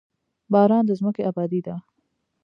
باران د ځمکې ابادي ده.